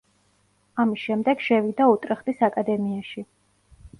ამის შემდეგ შევიდა უტრეხტის აკადემიაში.